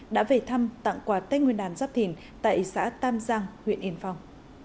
đã về thăm tặng quà tết nguyên đàn giáp thìn tại xã tam giang huyện yên phong